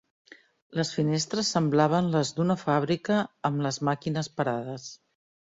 Les finestres semblaven les d'una fàbrica amb les màquines parades.